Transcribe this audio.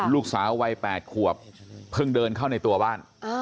ลูกสาววัย๘ขวบเพิ่งเดินเข้าในตัวบ้าน